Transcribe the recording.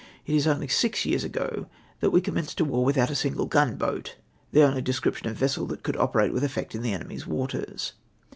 It is only six years ago that we commenced a war without a single gun boat, the only description of vessel that could operate with eflect in the enemy's waters.